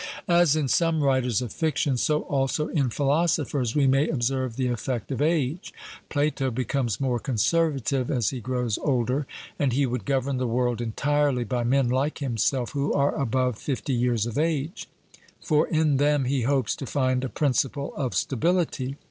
As in some writers of fiction, so also in philosophers, we may observe the effect of age. Plato becomes more conservative as he grows older, and he would govern the world entirely by men like himself, who are above fifty years of age; for in them he hopes to find a principle of stability.